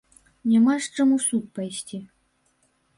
Няма з чым у суд пайсці.